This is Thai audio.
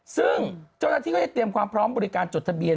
ซึ่งเจ้าหน้าที่ก็ได้เตรียมความพร้อมบริการจดทะเบียน